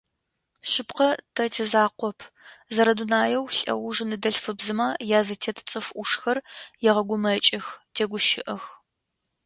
Шъыпкъэ, тэ тизакъоп, зэрэдунаеу лӏэуж ныдэлъфыбзэмэ язытет цӏыф ӏушхэр егъэгумэкӏых, тегущыӏэх.